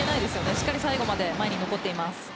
しっかり最後まで前に残っています。